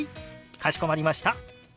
かしこまりました。